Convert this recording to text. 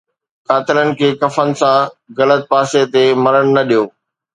قاتلن کي ڪفن سان غلط پاسي تي مرڻ نه ڏيو